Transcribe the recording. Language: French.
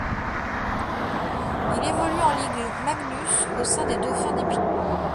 Il évolue en Ligue Magnus au sein des Dauphins d'Épinal.